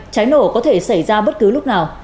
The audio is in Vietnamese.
cháy nổ có thể xảy ra bất cứ lúc nào